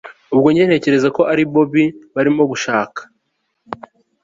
ubwo njye ntekereza ko ari bobi barimo gushaka